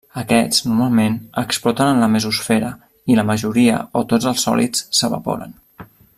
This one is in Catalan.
Aquests, normalment, exploten en la mesosfera, i la majoria o tots els sòlids s'evaporen.